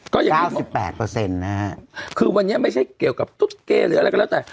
ก้าวสิบแปดเปอร์เซ็นต์นะฮะคือวันนี้ไม่ใช่เกี่ยวกับทุกอะไรก็แล้วแต่